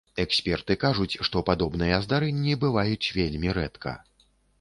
Эксперты кажуць, што падобныя здарэнні бываюць вельмі рэдка.